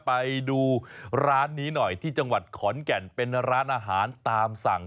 ไปดูร้านนี้หน่อยที่จังหวัดขอนแก่นเป็นร้านอาหารตามสั่ง